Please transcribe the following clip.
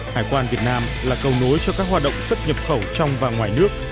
hải quan việt nam là cầu nối cho các hoạt động xuất nhập khẩu trong và ngoài nước